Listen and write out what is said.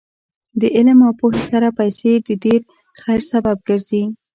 د علم او پوهې سره پیسې د ډېر خیر سبب ګرځي.